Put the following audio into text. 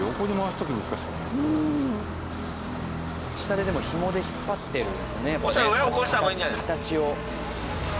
下ででもひもで引っ張ってるんですねやっぱね。